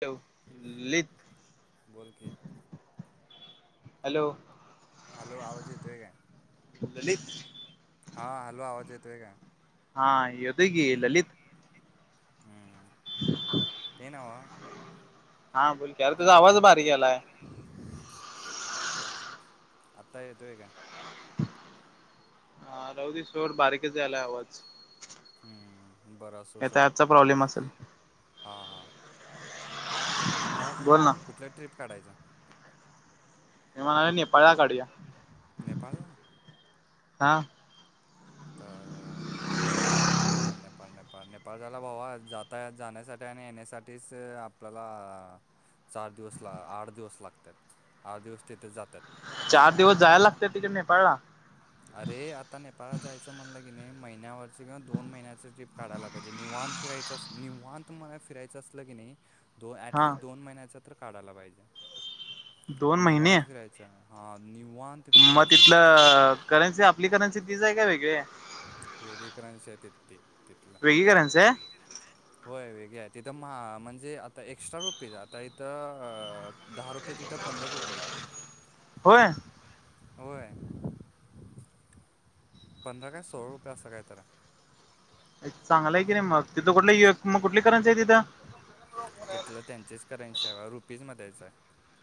ठेवलित बोल की hello hello आवाज येतोय आहे काय ललित हा हॅलो, आवाज येतोय काय? हा येतोय की ललित. हम्म ते नव्ह हा बोल की, अरे तुझा आवाज बारीक यायलाय. हम्म थांब हा आता येतोय का? हा राहू दे सोड बारीकच यायलाय आवाज. हम्म बरं असो सोड प्रॉबलेम असल. हा हा. मग बोल ना कुठल्या ट्रिप काढायचं? विमानाने नेपाळला काढूया. नेपाळला हा तर अ नेपाळ नेपाळ नेपाळ नेपाळ नेपाळ नेपाळ जायला भावा जाताया जाण्यासाठी आणि येण्यासाठीच आप आपल्याला चार दिवस ला आठ दिवस लागत्यात, आठ दिवस तिथे जात्यात. चार दिवस जायला लागतय तिकडे नेपाळला. अरे आता नेपाळला जायचं म्हणलं की नाय महिन्यावरच किंवा दोन महिन्याच ट्रिप काढायला पाहिजे निवांत फिरायचं अस निवांत मला फिरायचं असलं की नय दो हा ॲटलिस्ट दोन महिन्याचा तर काढायला पाहिजे. दोन महिने निवांत फिरायचा हा निवांत मग फिरायचं म्हणलं तर तिथलं करन्सी, आपली करन्सी तीच आहे का वेगळी ये? वेगळी करन्सी आहे तिथे ती तिथलं. करन्सी आहे वेगळी करन्सी हाय? होय वेगळी आहे तिथं मा म्हणजे आता एक्स्ट्रा रुपीज आता इथं अ दहा रुपये तिथं पंदरा रुपये. होय. होय होय. पंधरा काय सोळा रुपये असं काय तर हाय. एक चांगलं आहे की नाय मग, तिथं कुठल एक मग कुठली करन्सी हाय तिथं. तिथलं त्यांचेच करन्सी आहे बा रुपीज मध्येच आहे.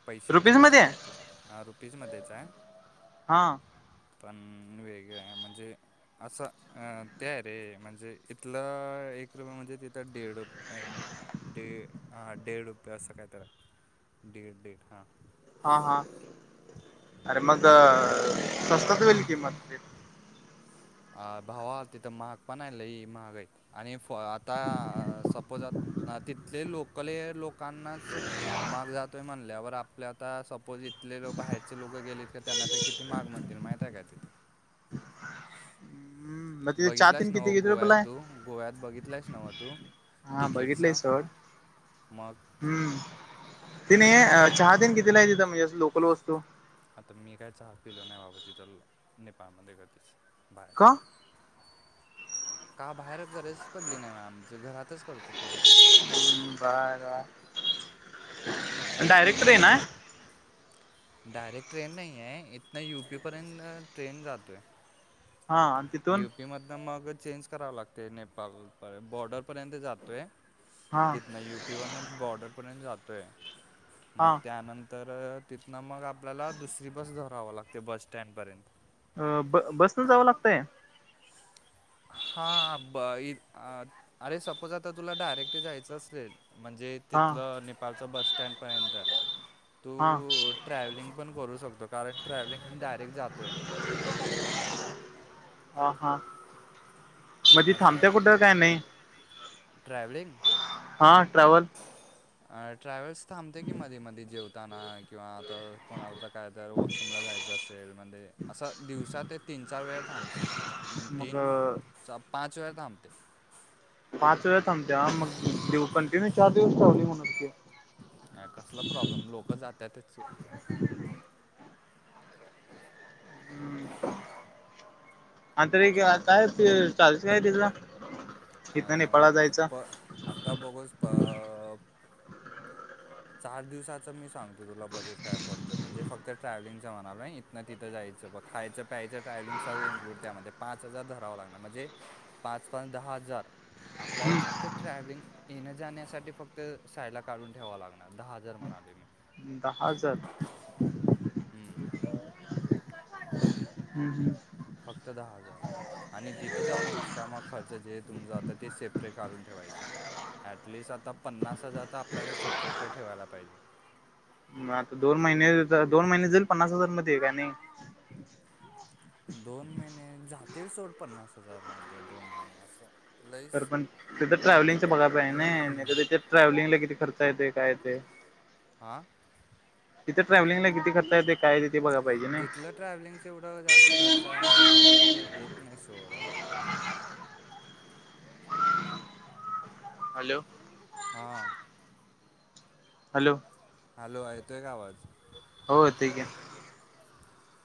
पैसे रुपीज पैसे मध्ये रुपिज हा रुपीजमध्येच हाय. हां पणं वेगळं हाय म्हणजे असं अ ते रे म्हणजे इथलं एक रुपये म्हणजे तीत त डेड रुपये अँड डेड हा डेड रुपया असं काय तरं हाय. दीड दीड हां हा हा अरे मग स्वस्तात होईल की मग ते आ भावाच तिथं महाग पण हाय लई महागय. आणि फ आता अ सपोज आ तिथले लोकले लोकांनाच महाग जातोय म्हणल्यावर आपले आता सपोज इथले लो बाहेरचे लोकं गेलेत का त्यांना ते कि ती महाग म्हणतील माहित हाय का तिथं. हम्म मग तिथे चहा बघितलायस तेन किती नव्ह किती गोव्यात रुपयला आहे? तू, गोव्यात बघितलायस नव्ह तू. हा बघितलंय तिकीटचं सोड मग हम्म. तिने अ चहा तेन कितीला आहे? तिथं म्हणजे असं लोकल वस्तू आता मी काय चहा पिलो नाय बाबा तिथं ल नेपाळमध्ये कधीच बाहेर. का? का बाहेरज गरजस पडली नाय म आमच घरातच करतो करत होतो. हूं बरा, डायरेक्ट ट्रेन हाय. डायरेक्ट ट्रेन नाहीये आहे इथनं यु पी पर्यंन ट्रेन जातोय. हा आणि तिथून? यु पी मधन मग चेंज कराव लागतंय नेपाल पर्यंत बॉर्डर पर्यंत जातोय हा तिथन यु प पी वरणा बॉर्डरपर्यंत जातोय. मग हा त्यानंतर अ तिथनं मग आपल्याला दुसरी बस धरावं लागते बस स्टँडपर्यंत अ ब बसनं जावं लागतंय हां ब इ अ द अरे सपोज आता तुला डायरेक्टं जायचं असेल म्हणजे हा तिथल नेपाळचा बस स्टँड पर्यंत तू हा ट्रॅव्हलिंग पण करू शकतो कारण ट्रॅवेलिंग डायरेक्ट जातोय. हा हा. मग ती असं थांबते आहे कुठं काय नाय हा ट्रॅव्हल अ ट्रॅव्हल्स थांबते की मध्ये मध्ये जेवताना किंवा तर कोणाला तर काय तर वॉशरूमला जायचं असं रेल मध्ये असा दिवसा ते तीन चार वेळ थांबते मग तीन चार पाचं वेळा थांबते. पाच वेळा थांबते हा मग दिव कन्टिन्यू चार दिवस ट्रॅवेलिंग होणार की अ कसला प्रॉब्लेम लोक जातातच. कसं ना हाय हा तर एक काय ते चार्जस काय त्याचा अ, हितंन नेपाळला जायचा? प आता बगोस प अह चार दिवसाचं मी सांगतो तुला बजेट काय पडतोय म्हणजे फक्त ट्रॅव्हलिंगचा म्हणालोय. ना तिथं जायचं ब खायं प्यायचं ट्रॅव्हलिंग सगळे इन्क्लूड त्यामध्ये पाच हजार धरावं लागणार म्हणजे पाच पाचं दहा हजार आपल्याला फक्त ट्रॅव्हलिंग येण्याजाण्यासाठी फक्त साइडला काढून ठेवाव लागणार. अह दहा हजार म्हणालो मी दहा हजार हम्म. हम्म हम्म. फक्त दहा हजारं आणि तिथं जाऊन एक्स्ट्रा मग खर्च जे तुमचा आता ते सेपरेट काढून ठेवायचं. ॲटलिस्ट आता पन्नास हजार तर आपल्याला सेपरेट ठेवायला पाहिजे. मग आता दोन महिनेचे दोन महिने जाईल पन्नास हजार मध्ये का नाही? दोन महिने जातील सोड पन्नास हजार मध्ये दोन महिने असं. लईच तर पण तिथं ट्रॅव्हलिंगच बघा पाय ने नाही तर ट्रॅव्हलिंगला किती खर्च येते काय येते. हा. तिथं ट्रॅव्हलिंगला किती खर्च येते काय? ते बघाय पाहिजे नाही दिथलं ट्रॅव्हलिंगच एवढं जास्त खर्चा म्हणजे येत नाही सोडं हॅलो. हां. हॅलो. हॅलो येतोय का आवाज? हो येतंय की.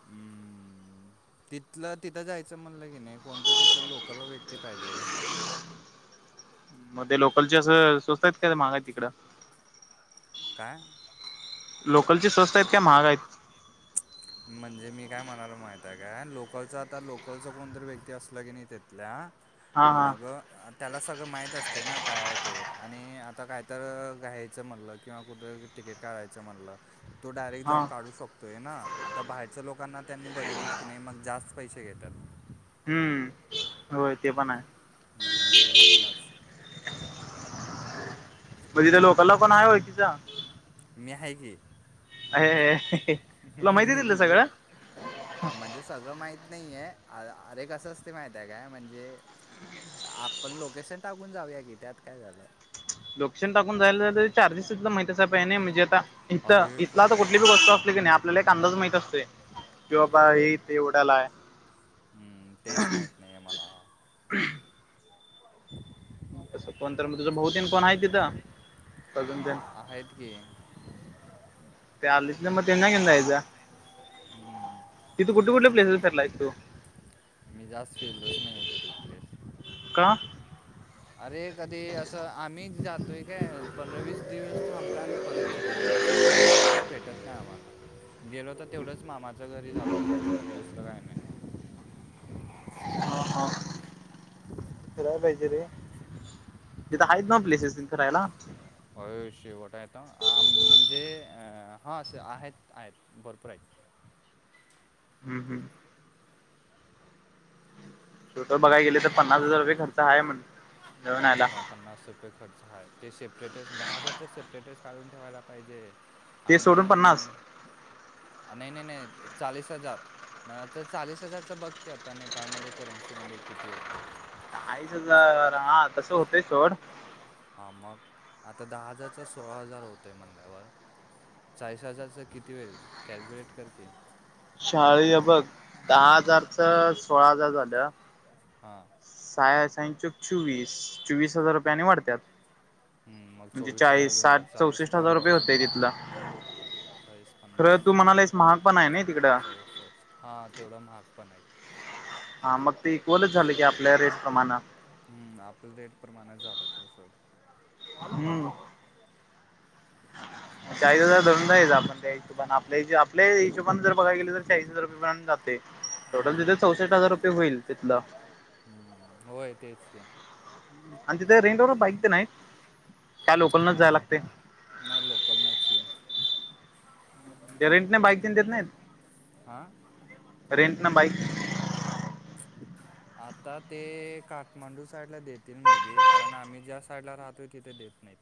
उम्म. तिथलं तिथं जायचं म्हणलं की नाही कोण तरं तिथलं लोकल व्यक्ती पाहिजे रे. मग ते लोकलचे असं स्वस्तात काय महाग आहे तिकडं? काय? लोकलची स्वस्थ आहेत का महाग आहेत. म्हणजे मी काय म्हणायला माहित आहे काय लोकलच आता लोकलच कोणतरी व्यक्ती असला की नाही तेथल्या हा हा मग त्याला सगळं माहीत असते ना काय ते, आणि आता काय तर घ्यायचं म्हणलं की किंवा कुठं तिकेट काढयं मला तो डायरेक्ट हा जाऊ शकतोय ना आता बाहेरच्या लोकांना त्यांनी बघितले की नाही मग जास्त पैसे घेतात. हम्म होय ते पण आहे. मनोनाज. म तिथ लोकलला कोण आहे ओळखीचा? मी हाय की. ऐ तुला माहिती तिथलं सगळं? म्हणजे सगळं माहित नाहीये अ अरे कसं असते माहित आहे काय म्हणजे आपण लोकेशन टाकून जाऊया की त्यात काय झालं. लोकेशन टाकून जायला तरी चार्जेस तिथला माहिती आहे सा पय नाही म्हणजे आता इथला अरे इथला आता कुठली क- बी [unintelligible] की नाही आपल्याला एक अंदाज माहित असते की बाबा हेथे एवढ्याला आहे. हम्म तेच माहीत नाही मला. [inaudible] तसं कोण तर मग तुझं बहुतेन कोण आहे तिथं अजून तेन आहेत की. ते आलीत ना मग तेना घेऊन जायचं. हम्म. कुठं कुठला पप्लॅसेस फिरला आहे तू? मी जास फिरलोच नाही आहे तिथलं प्लेस. का अरे कधी असं आम्ही जातोय काय पंधरा वीस-दिवस थांबतय आणि परत येतो. तोयरी असं फाय फिरायला भेटत नाही आम्हाला. गेलो तर तेवढंच मामाच्या घरी जातो तेवढंच दुसरं काय नाय. फीराय पाहिजे रे तिथं आहेत ना हम्म, प्लेसेस करायला. होय शेवट आहे आता आ म्हणजे हा असं आहेत आहेत भरपूर आहेत. हम्म हम्म. टोटल बघय गेले तर पन्नास हजार रुपये खर्च आहे म्हण. जाऊन यायला हा पन्नास ररुपये खर्च आहे ते सेपरेटच दहा हजार तर सेपरेटच काढून ठेवायला पाहिजे. ते सोडून पन्नास आणि नाही नाही नाही चाळीस हजार मला तर चाळीस हजारचं बघकी आता नेपाळमध्ये करन्सी मध्ये किती होतेत? चाळीस हजार हा तसं होतंय सोड हा मग आता दहा हजारचा सोळा हजार होतोय म्हणल्यावर चाळीस हजारचा किती होईल कॅलक्युलेट कर की. शाळी अ बघ दहा हजारचा सोळा हजार झाल्या. हां साहा सेन चूक चोवीस चोवीस हजार रुपयाने वाढत्यात. हम्म, मग म्हणजे चोवीस हजार चाळीस अजून साठ वाढ- चाळीस चौसष्ट हजार रुपये पन्नास होते तिथला. चाळीस पन्नास खरं तू साठ म्हणालास महाग पण आहे ना तिकडं. चौसष्ट हां तेवढं महाग पण आहेत. हा मग ते इक्वलच झालं की आपल्या रेट प्रमाणा. हम्म आपलं डेट प्रमाणाझालं ते सोड. हम्म चाळीस हजार धरून [unintelligible] आपण देयाचा पण आपल्ये जे हिशोबाने जर आपल्या बघाय गेलं तर चाळीस हजार रुपये पण जात ते टोटल तिथे चौसष्ट हम्म, हजार रुपये होईल तिथलं. हम्म होय तेच ते की. आणि तिथे रेंटवर बाईक तेन आहेत काय लोकल नच जाय अं, लागते? नाही लोकल नाची. ते रंट ने बाईकतेन देत नाहीत. हा. रेंट ना बाईक? आता ते काठमांडू साईडला देतील मे बी कारण आम्ही ज्या साईडला राहतोय तिथे देत नाहीत.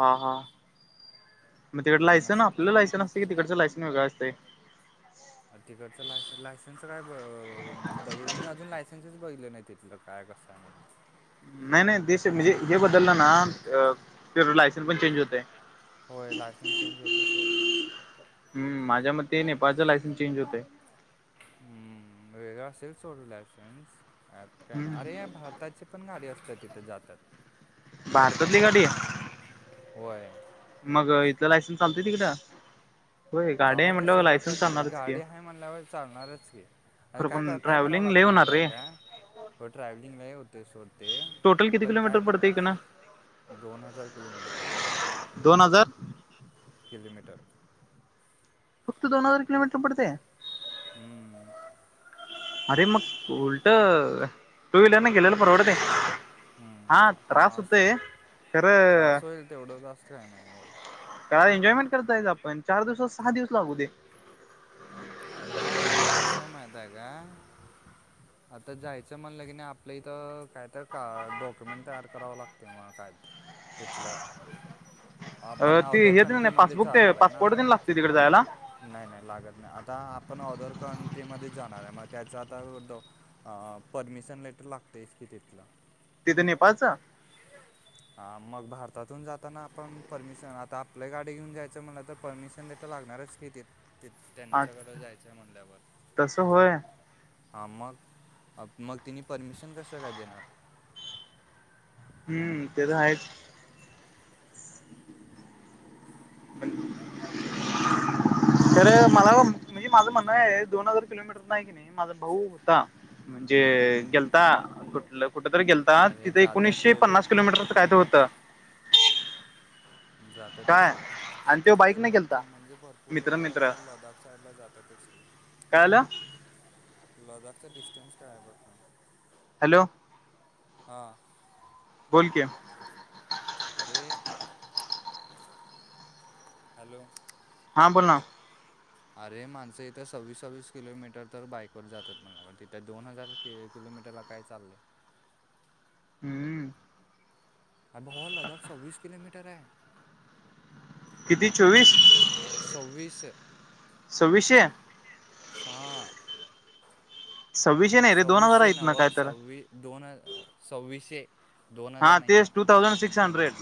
हा हा मग तिकडं तिथं लायसन नसते. आपल्या लायसन असते की तिकडचं लायसन वेगळं असते? तिकडच लाय लायसेनस काय ब बघित मी अजून लायसेन्सच बघितले नाही तिथलं काय कसं आहे. तमानं नाही नाही देश म्हणजे हे बदललं ना आ तेच लायसन पण चेंज होतं. होय लायसन्स चेंज होते सोड. हम् माझ्या मते नेपाळचं लायसन्स चेंज होतय. हम्म वेगळं असेल सोड लायसन्स अँप काय नाही. अरे हम्म या भारताचे पण गाडी असतात तिथे जातात. भारतातली गाडी. होय. मग इथंल लायसन्स चालतंय तिकडं? होय गाडी आहे चालत म्हटल्यावर असेल की आता लायसन्स चालणारच की गाडी आहे म्हणल्यावर चालणारच की आणि खरं काय कर पण काय करावं ट्रॅव्हलिंग लय लागत होणार माहित आहे रे काय, हो ट्रॅव्हलिंग लय होते सोड ते टोटल किती पण किलोमीटर काय कर पडतय इकडन दोन हजार किलोमीटर पडतय. दोन हजार किलोमीटर फक्त दोनहजार किलोमीटर पडते. हम्म. अरे मग उलट टू व्हीलरन गेलेल परवडंते. हम्म हा असं खरं त्रास होईल, तेवढं जास्त काही नाही एवढं काय एन्जॉयमेंट करताय आपण चार दिवसाच सहा दिवस लागू दे. हा आणि कसं आहे माहित आहे काय? आता जायचं म्हणलं, की नाही आपलं इथं काय तर का डॉक्युमेंट तयार करावं लागते म्हणत आहेत. तिथलं अ आपण ती अदर हे कंट्रीमध्ये पासबुक ते जाणार आहे ना पासपोर्ट तेन लागते तिकडे जायला? नाही नाही लागत नाही. आता आपण ऑदर कंट्रीमध्ये जाणार आहे मग त्याचा आता डॉक्यु अ परमिशन लेटर लागतय च की तिथलं. तिथं नेपाळचं? ह मग भारतातून जाताना आपण परमिशन आता आपल्या गाडी घेऊन जायचं म्हटला तर परमिशन तर लागणारच की तिथ तिथ त्यांच्याकडे अच्छा जायचंय म्हटल्यावर. तसं होय हां मग मग तिने परमिशन कसं काय देणार. हम्म ते तर आहेतच. तर मला ओ म्हणजे माझं म्हणणं आहे दोन हजार किलोमी टर आहे कणी माझा भाऊ होता. म्हणजे हम्म. गेलता. कुठल कुठ तरी गेलता. अरे तिथे जातात एकोणीशे रे पन्नास लोक किलोमीटर फक्त काय तर होतं. जात्यातच काय की. आता आणि तो इथं ब बाईकने बघ गेलता की म्हणजे भरपूर मित्र लोक मित्र असं लदाख साईड ला जातातच की. काय झालं. लदाखचा डिस्टन्स काय आहे बघ ना? हॅलो, हा बोल की? अरे हॅलो, हां बोल ना, अरे माणसं इथे सव्वीस सव्वीस किलोमीटर तर बाईकवर जातात म्हनाला तिथे दोन हजार क किलोमीटरला काय चाललंय? हम्म. अ भावा लदाख सव्वीस कलोमीटर आहे. किती चोवीस सव्वीस सव्वीशे? सहा सव्वीसशे नाही रे दोन हजार सव्वीशे आहेत न्हव ना काय तर सवीस दोन सव्वीशे हा तेचं टू थाऊजंड सिक्स हंड्रेड.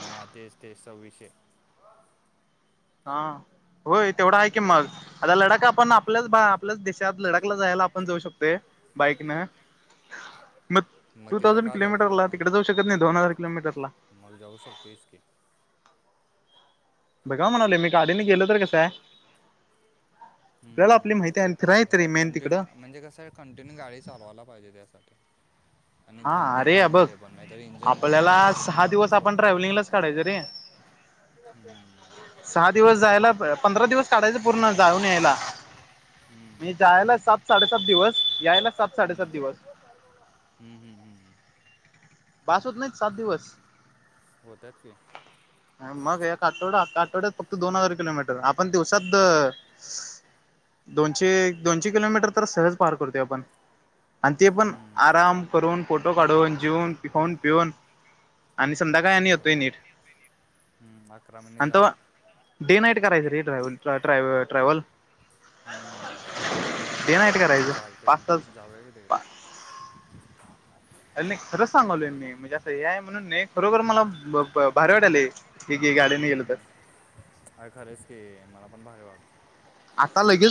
हा तेच तेच सव्विशे. हा होय तेवढा हाय की मग आता लडाख आपण आपल्याच भा आपल्याच देशात त्यात लडाखला जायला आपण जाऊ शकतोय बाईकन मग टू तिथं थाऊजन का जाऊ किलोमीटर ला तिकडं जाऊ शकत नाही दोन हजार किलोमीटर ला मल जाऊ शकतो की. बघा म्हणाव ले मी गाडीने गेलो तर कसंय. हम्म माहिती ते आहे पण फिराय हाय तरी मेन तिकडं कंटिन्यू म्हणजे कसं आहे कंटिन्यू गाडी चालवायला पाहिजे त्यासाठी आणि हा थांबून अरे बघ थांबून ते पण नाहीतर इंजन गरम आपल्याला झालं की नाही सहा दिवस बंदच आपण पडत गाड्या ट्रॅव्हलिंगलाच काढायचं रे हम्म. सहा दिवस जायला प पंधरा दिवस काढायचं पूर्ण जावुन यायला. हम्म, मी जायला सात साडेसात दिवस यायला सात साडेसात दिवस हम् हम हम् हम. बास होत नाहीत सात दिवस होतात की. [inaudible] मग एक आठवडा आठवड्यात फक्त दोन हजार किलोमीटर आपण दिवसातर दोनशे दोनशे किलोमीटर तर सहज पार करतोय आपण आणं ते पण हम्म, आराम करून फोटो काढून जेऊन खाऊन पिऊन. आणि संध्याकाळी आणि होतोय होय. नीट हम्म, अकरा मिनिट आणि तवा झालेत डे नाईट करायचं रे् ट्रॅव्हल ट्रॅव्ह ट्रॅव्हल. हम्म डे नाईट करायचं चालतय पाच तास जावुया कि तीकडं. अर नही खरंच सांगालो मी म्हणजे असं हे हाय म्हणून नाही खरोखर मला ब ब भारी वाटालेय. ठीक ये गाडीने गेलो तर हम्म अरे खरंच की मला पण भारी वाटत. आता लगेच